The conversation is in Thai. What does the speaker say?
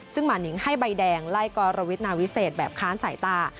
ซึ่งหมานิงให้ใบแดงไล่กรวิทนาวิเศษแบบค้านสายตา